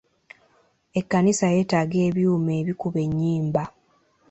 Ekkanisa yeetaaga ebyuma ebikuba ennyimba.